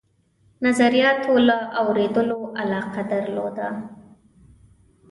نظریاتو له اورېدلو علاقه درلوده.